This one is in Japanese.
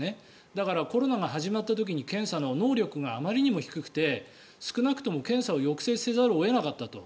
だから、コロナが始まった時に検査の能力があまりにも低くて少なくとも検査を抑制せざるを得なかったと。